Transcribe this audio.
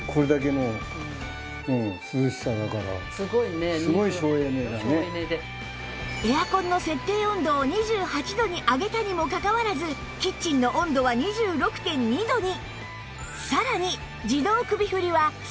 ではそしてすごいね。エアコンの設定温度を２８度に上げたにもかかわらずキッチンの温度は ２６．２ 度に！